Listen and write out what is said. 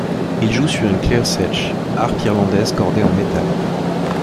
Il joue sur une cláirseach, harpe irlandaise cordée en métal.